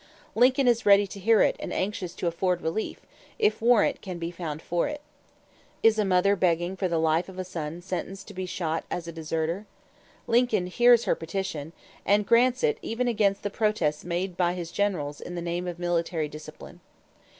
Lincoln is ready to hear it and anxious to afford relief, if warrant can be found for it. Is a mother begging for the life of a son sentenced to be shot as a deserter? Lincoln hears her petition, and grants it even against the protests made by his generals in the name of military discipline.